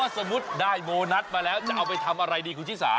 สมมุติได้โบนัสมาแล้วจะเอาไปทำอะไรดีคุณชิสา